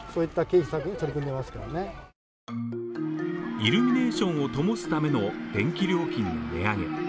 イルミネーションを灯すための電気料金の値上げ。